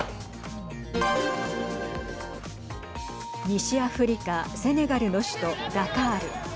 西アフリカセネガルの首都ダカール。